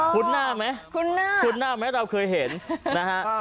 อ๋อคุณหน้าไหมคุณหน้าคุณหน้าไหมเราเคยเห็นนะฮะอ่า